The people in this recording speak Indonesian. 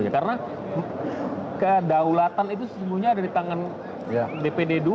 karena kedaulatan itu ada di tangan dpd dua